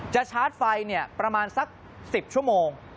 ชาร์จไฟประมาณสัก๑๐ชั่วโมง